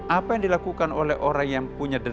apa yang dilakukan oleh orang yang punya